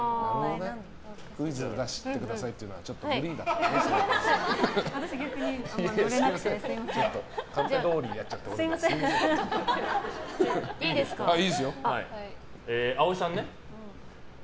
クイズ出してくださいっていうのはちょっと無理だったね。